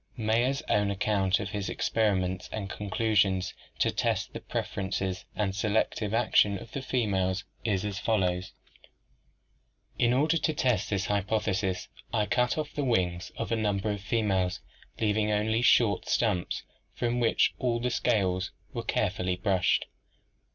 Mayer's own account of his experiments and conclusions to test the pref erences and selective action of the females is as follows: "'In order to test this hypothesis I cut off the wings of a number of females, leaving only short stumps, from which all the scales were care fully brushed.